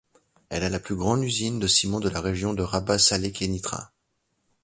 Elle a la plus grande usine de ciment de la région de Rabat-Salé-Kénitra.